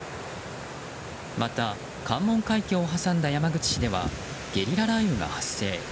また、関門海峡を挟んだ山口市ではゲリラ雷雨が発生。